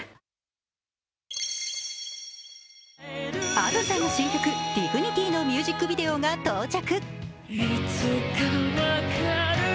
Ａｄｏさんの新曲「ＤＩＧＮＩＴＹ」のミュージックビデオが到着。